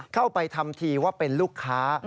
เข้าไปทำทีว่าเป็นลูกค้า